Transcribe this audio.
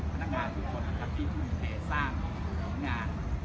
พนักงานทุกคนที่การเปลี่ยนสร้าง